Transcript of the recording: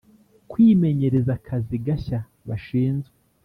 kwimenyereza akazi gashya bashinzwe